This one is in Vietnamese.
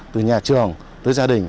từ nhà trường tới gia đình